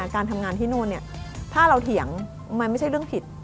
การทำงานที่นู่นถ้าเราเถียงมันไม่ใช่เรื่องผิด